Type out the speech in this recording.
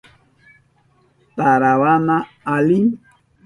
Tarawana alim.